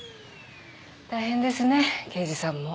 大変ですね刑事さんも。